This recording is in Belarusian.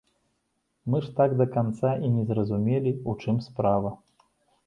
Мы ж так да канца і не зразумелі, у чым справа.